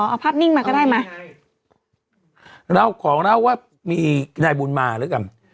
เอาภาพนิ่งมาก็ได้ไหมเราขอเล่าว่ามีนายบุญมาแล้วกัน